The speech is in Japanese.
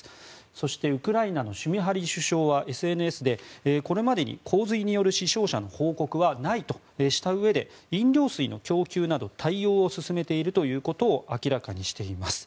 そしてウクライナのシュミハリ首相は、ＳＮＳでこれまでに洪水による死傷者の報告はないとしたうえで飲料水の供給など対応を進めているということを明らかにしています。